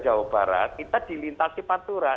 jawa barat kita dilintasi pantura